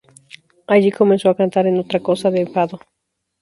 Allí comenzó a cantar en otra casa de fado.